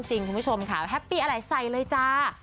คุณผู้ชมค่ะแฮปปี้อะไรใส่เลยจ้า